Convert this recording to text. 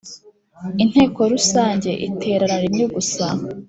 Inteko rusange iterana rimwe gusa